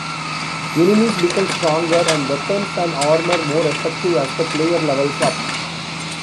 Enemies become stronger and weapons and armor more effective as the player levels up.